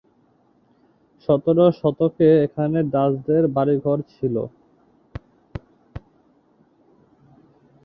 সতেরো শতকে এখানে ডাচদের বাড়িঘর ছিল।